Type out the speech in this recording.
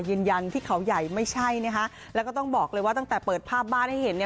ยืนยันที่เขาใหญ่ไม่ใช่นะคะแล้วก็ต้องบอกเลยว่าตั้งแต่เปิดภาพบ้านให้เห็นเนี่ย